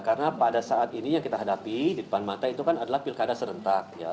karena pada saat ini yang kita hadapi di depan mata itu kan adalah pilkada serentak